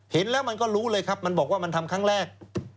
เห็นแล้วมันก็รู้เลยครับมันบอกว่ามันทำครั้งแรก